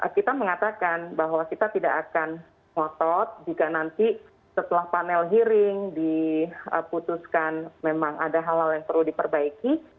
kita mengatakan bahwa kita tidak akan ngotot jika nanti setelah panel hearing diputuskan memang ada hal hal yang perlu diperbaiki